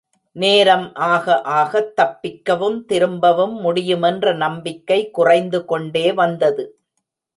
நேரம் ஆகஆகத் தப்பிக்கவும் திரும்பவும் முடியுமென்ற நம்பிக்கை குறைந்துகொண்டே வந்தது.